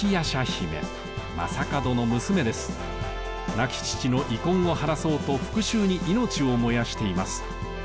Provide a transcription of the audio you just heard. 亡き父の遺恨を晴らそうと復しゅうに命を燃やしています。